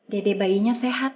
dede bayinya sehat